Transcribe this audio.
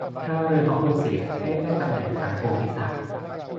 ถ้าเรือของคุณเสีย ให้แจ้งตำแหน่งทางภูมิศาสตร์